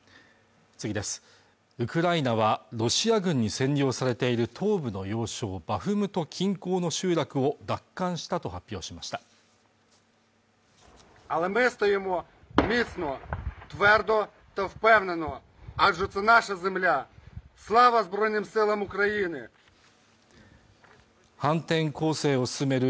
ウクライナはロシア軍に占領されている東部の要衝バフムト近郊の集落を奪還したと発表しました反転攻勢を進める